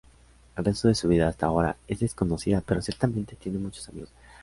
El resto de su vida hasta ahora es desconocida, pero ciertamente tiene muchos amigos.